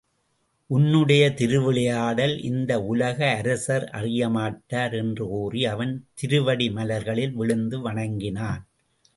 உன்னுடைய திருவிளையாடல் இந்த உலக அரசர் அறியமாட்டார் என்று கூறி அவன் திருவடி மலர்களில் விழுந்து வணங்கினான்.